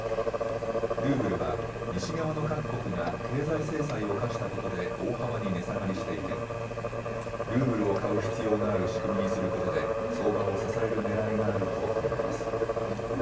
ルーブルは西側の各国が経済制裁を科したことで大幅に値下がりしていてルーブルを買う必要がある仕組みにすることで相場を支えるねらいがあると見られます。